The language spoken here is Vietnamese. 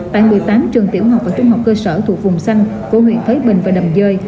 tại một mươi tám trường tiểu học và trung học cơ sở thuộc vùng xanh của huyện thới bình và đầm dơi